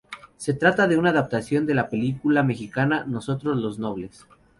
Se trata de una adaptación de la película mexicana "Nosotros, los Nobles".